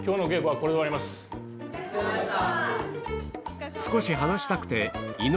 ・お疲れさまでした！